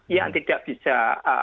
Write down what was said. yang tidak bisa